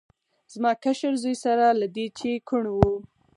زما کشر زوی سره له دې چې کوڼ و.